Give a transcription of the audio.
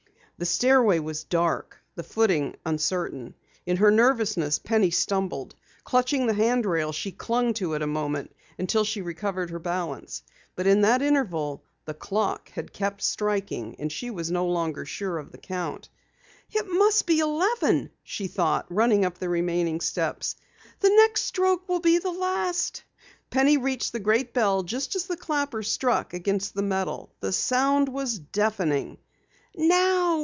The stairway was dark, the footing uncertain. In her nervousness, Penny stumbled. Clutching the handrail, she clung to it a moment until she had recovered balance. But in that interval the clock had kept striking, and she was no longer sure of the count. "It must be eleven," she thought, running up the remaining steps. "The next stroke will be the last." Penny reached the great bell just as the clapper struck against the metal. The sound was deafening. "Now!"